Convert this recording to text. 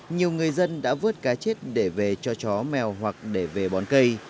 nhiều người dân đã vớt cá chết để về cho chó mèo hoặc để về bón cây